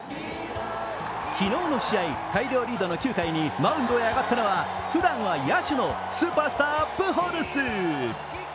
昨日の試合、大量リードの９回にマウンドに上がったのは、ふだんは野手のスーパースタープホルス。